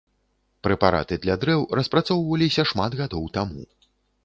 Прэпараты для дрэў распрацоўваліся шмат гадоў таму.